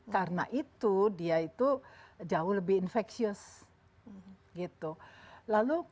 karena itu dia itu jauh lebih infectious gitu